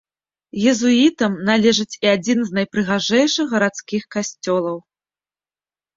Езуітам належыць і адзін з найпрыгажэйшых гарадскіх касцёлаў.